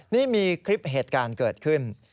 นี่มีคลิปเหตุการณ์เกิดขึ้น